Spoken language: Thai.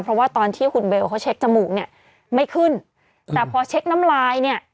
เพราะว่าตอนที่คุณเบลเขาเช็คจมูกเนี่ยไม่ขึ้นแต่พอเช็คน้ำลายเนี่ย